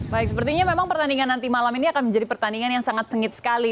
baik sepertinya memang pertandingan nanti malam ini akan menjadi pertandingan yang sangat sengit sekali